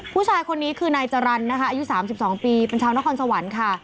ผู้ชายคนนี้คือนายจรรย์นะคะอายุ๓๒ปีเป็นชาวนครสวรรค์ค่ะ